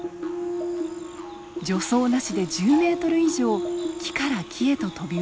助走なしで１０メートル以上木から木へと飛び移ります。